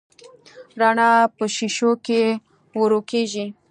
رڼا په شیشو کې ورو کېږي.